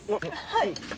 はい。